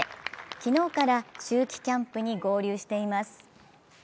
昨日から秋季キャンプに合流しています。